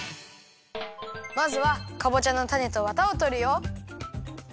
まずはかぼちゃのたねとわたをとるよ。